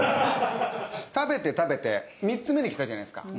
食べて食べて３つ目に来たじゃないですか。